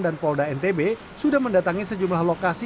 dan polda ntb sudah mendatangi sejumlah lokasi